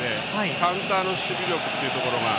カウンターの守備力というところが。